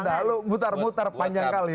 lo udah lo mutar mutar panjang kali